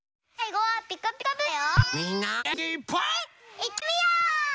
いってみよう！